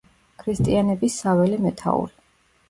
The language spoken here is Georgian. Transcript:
ქრისტიანების საველე მეთაური.